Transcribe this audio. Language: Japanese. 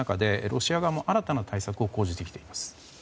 ロシア側も新たな対策を講じています。